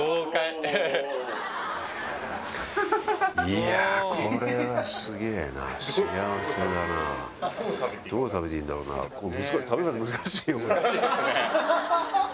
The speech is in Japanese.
いやこれはすげえな幸せだなどう食べていいんだろうな難しいですね